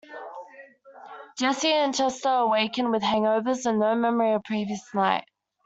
Jesse and Chester awaken with hangovers and no memory of the previous night.